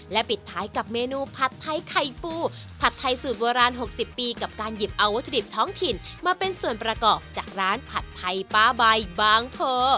ปิดท้ายกับเมนูผัดไทยไข่ปูผัดไทยสูตรโบราณ๖๐ปีกับการหยิบเอาวัตถุดิบท้องถิ่นมาเป็นส่วนประกอบจากร้านผัดไทยป้าใบบางโพ